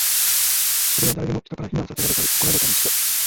それは誰でも、人から非難せられたり、怒られたりして